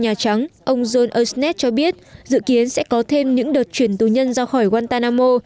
nhà trắng ông john ersnet cho biết dự kiến sẽ có thêm những đợt chuyển tù nhân ra khỏi guantanamo